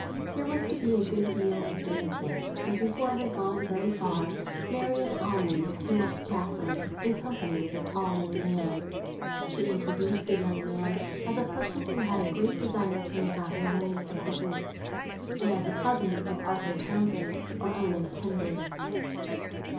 There was to be a good deal of dancing, and before it had gone very far, Marian Almond came up to Catherine, in company with a tall young man. She introduced the young man as a person who had a great desire to make our heroine's acquaintance, and as a cousin of Arthur Townsend, her own intended.